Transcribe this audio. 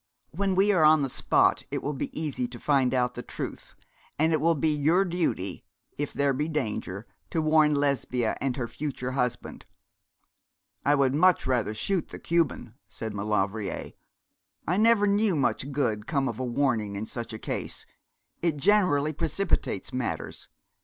When we are on the spot it will be easy to find out the truth; and it will be your duty, if there be danger, to warn Lesbia and her future husband. 'I would much rather shoot the Cuban,' said Maulevrier. 'I never knew much good come of a warning in such a case: it generally precipitates matters.